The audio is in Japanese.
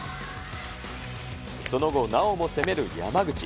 その後、なおも攻める山口。